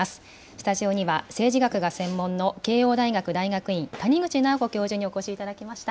スタジオには、政治学が専門の、慶応大学大学院、谷口尚子教授にお越しいただきました。